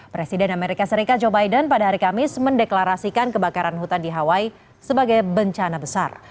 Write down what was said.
presiden amerika serikat joe biden pada hari kamis mendeklarasikan kebakaran hutan di hawaii sebagai bencana besar